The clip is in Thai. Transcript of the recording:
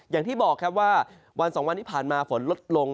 อย่างที่บอกครับว่าวัน๒วันที่ผ่านมาฝนลดลง